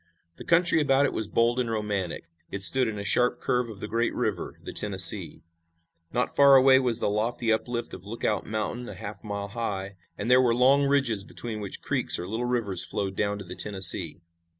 The country about it was bold and romantic. It stood in a sharp curve of the great river, the Tennessee. Not far away was the lofty uplift of Lookout Mountain, a half mile high, and there were long ridges between which creeks or little rivers flowed down to the Tennessee.